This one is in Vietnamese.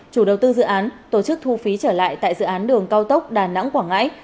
chủ đầu tư dự án tổ chức thu phí trở lại tại dự án đường cao tốc đà nẵng quảng ngãi